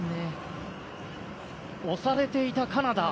押されていたカナダ。